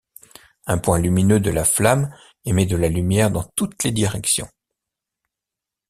Un point lumineux de la flamme émet de la lumière dans toutes les directions.